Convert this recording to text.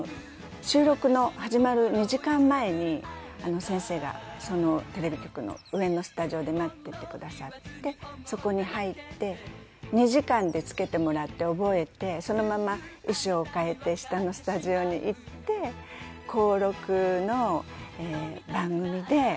収録の始まる２時間前に先生がテレビ局の上のスタジオで待っててくださってそこに入って２時間でつけてもらって覚えてそのまま衣装を替えて下のスタジオに行って公録の番組で。